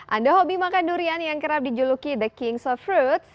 anda hobi makan durian yang kerap dijuluki the king of fruit